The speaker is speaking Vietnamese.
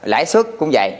lãi xuất cũng vậy